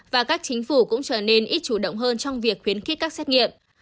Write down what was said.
và các chính phủ cũng trở nên ít chủ động hơn trong việc khuyến khích các xét nghiệm